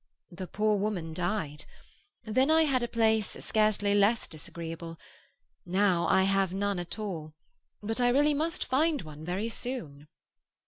"The poor woman died. Then I had a place scarcely less disagreeable. Now I have none at all; but I really must find one very soon."